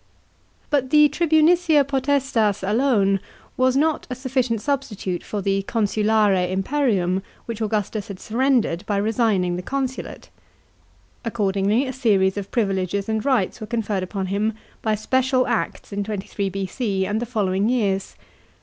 But the tribunicia potestas alone was not a sufficient substitute for the consulare imperium which Augustus had surrendered by resigning the consulate. Accordingly a series of privileges and rights were conferred upon him by special acts in 23 B.C. and the following years.